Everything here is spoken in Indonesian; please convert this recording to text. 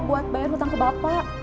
buat bayar hutang ke bapak